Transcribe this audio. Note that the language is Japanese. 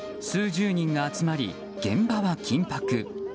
数十人が集まり現場は緊迫。